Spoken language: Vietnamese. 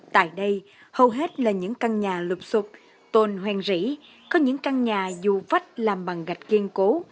tại đây hầu hết là những căn nhà lụp sụp tôn hoàng rỉ có những căn nhà dù vách làm bằng gạch kiên cố